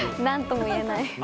何とも言えない。